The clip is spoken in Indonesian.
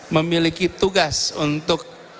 memiliki tugas untuk